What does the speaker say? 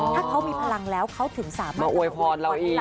ถ้าเขามีพลังแล้วเขาถึงสามารถมาอวยพรเราอีก